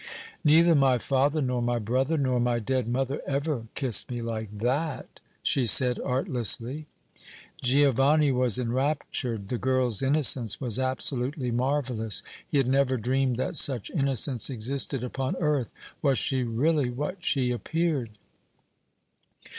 "Neither my father, nor my brother, nor my dead mother ever kissed me like that!" she said, artlessly. Giovanni was enraptured; the girl's innocence was absolutely marvelous; he had never dreamed that such innocence existed upon earth. Was she really what she appeared?